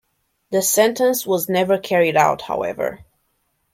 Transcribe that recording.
The sentence was never carried out, however.